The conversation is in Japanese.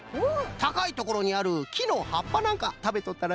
たかいところにあるきのはっぱなんかたべとったらしいぞ。